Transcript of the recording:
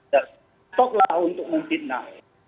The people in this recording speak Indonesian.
dan tetoklah untuk mempitnah